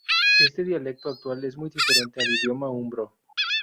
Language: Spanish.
Este dialecto actual es muy diferente al idioma umbro.